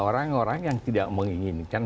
orang orang yang tidak menginginkan